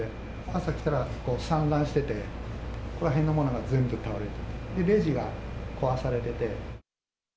朝来たら、散乱してて、ここら辺のものが全部倒れていて、レジが壊されてて。